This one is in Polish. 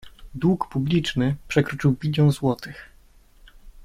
Dług publiczny przekroczył bilion złotych.